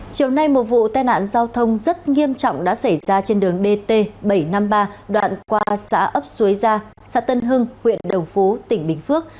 chiều nay một vụ tai nạn giao thông rất nghiêm trọng đã xảy ra trên đường dt bảy trăm năm mươi ba đoạn qua xã ấp xuế gia xã tân hưng huyện đồng phú tỉnh bình phước